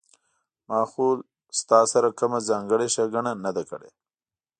ما خو له تاسره کومه ځانګړې ښېګڼه نه ده کړې